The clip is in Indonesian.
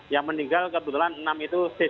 yang meninggal kebetulan enam itu